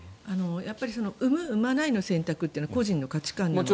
やっぱり産む・産まないの選択は個人の価値観で。